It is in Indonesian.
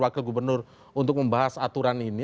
wakil gubernur untuk membahas aturan ini